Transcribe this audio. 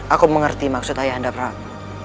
aku mengerti maksud ayah anda perang